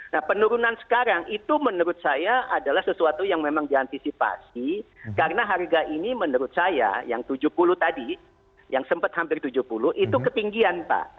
nah penurunan sekarang itu menurut saya adalah sesuatu yang memang diantisipasi karena harga ini menurut saya yang tujuh puluh tadi yang sempat hampir tujuh puluh itu ketinggian pak